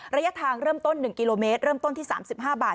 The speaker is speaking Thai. ระยะทางเริ่มต้น๑กิโลเมตรเริ่มต้นที่๓๕บาท